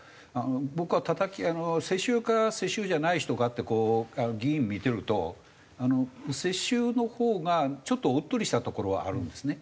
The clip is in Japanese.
僕はたたき世襲か世襲じゃない人かってこう議員を見てると世襲のほうがちょっとおっとりしたところはあるんですね。